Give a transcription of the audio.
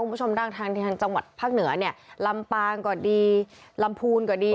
คุณผู้ชมนั่งทางจังหวัดภาคเหนือเนี่ยลำปางก็ดีลำพูนก็ดี